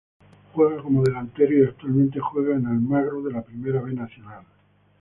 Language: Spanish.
Juega como delantero y actualmente juega en Almagro de la Primera B Nacional.